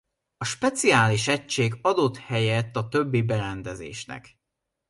A speciális egység adott helyet a többi berendezésnek.